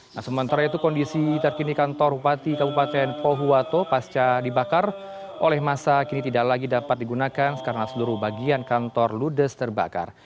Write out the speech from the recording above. nah sementara itu kondisi terkini kantor bupati kabupaten pohuwato pasca dibakar oleh masa kini tidak lagi dapat digunakan karena seluruh bagian kantor ludes terbakar